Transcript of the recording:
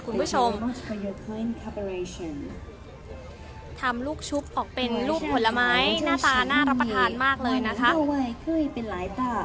คุณผู้ชมทำลูกชุบออกเป็นลูกผลไม้หน้าตาน่ารับประทานมากเลยนะคะ